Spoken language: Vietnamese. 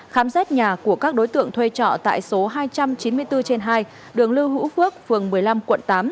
khám xét nhà của các đối tượng thuê trọ tại số hai trăm chín mươi bốn trên hai đường lưu hữu phước phường một mươi năm quận tám